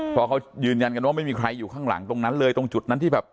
เพราะเขายืนยันกันว่าไม่มีใครอยู่ข้างหลังตรงนั้นเลยตรงจุดนั้นที่แบบ